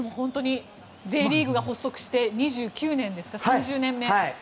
Ｊリーグが発足して２９年ですか、３０年目。